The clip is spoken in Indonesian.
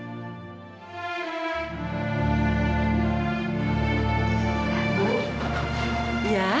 ibu saya dan istri saya